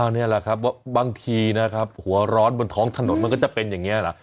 นี่แหละครับบางทีนะครับหัวร้อนบนท้องถนนมันก็จะเป็นอย่างนี้เหรอ